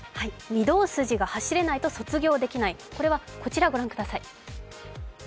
御堂筋が走れないと卒業できない、こちらご覧ください。